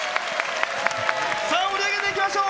盛り上げていきましょう！